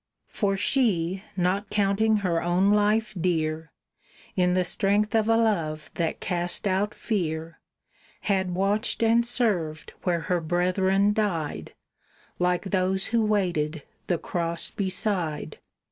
For she, not counting her own life dear, In the strength of a love that cast out fear, Had watched and served where her brethren died, Like those who waited the cross beside.